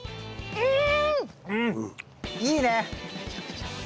うん！